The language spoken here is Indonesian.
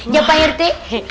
ya pak rete